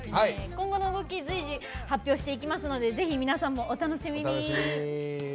今後の動き随時発表してきますのでぜひ皆さんもお楽しみに。